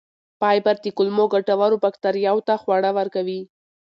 فایبر د کولمو ګټورو بکتریاوو ته خواړه ورکوي.